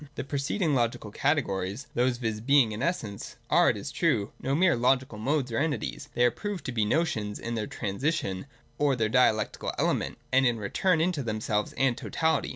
The preceding logical categories, those viz. iif Being and Essence, are, it is true, no mere logical modes or entities : tiiey are proved to be notions in their trans ition or their dialectical element, and in their return into themselves and totality.